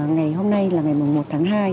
ngày hôm nay là ngày một tháng hai